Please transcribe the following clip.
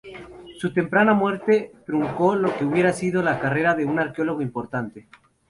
Su temprana muerte truncó lo que hubiera sido la carrera de un arqueólogo importante.